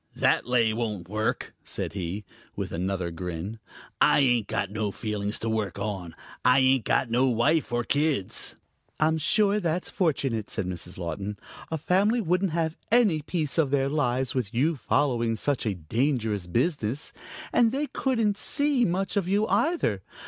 "That lay won't work," said he, with another grin. "I ain't got no feelings to work on. I ain't got no wife or kids." "I'm sure that's fortunate," said Mrs. Laughton. "A family wouldn't have any peace of their lives with you following such a dangerous business. And they couldn't see much of you either.